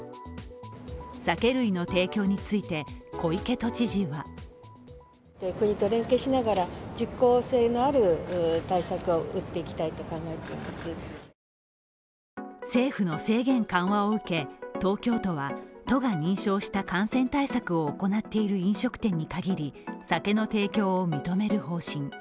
酒類の提供について、小池都知事は政府の制限緩和を受け東京都は都が認証した感染対策を行っている飲食店に限り酒の提供を認める方針。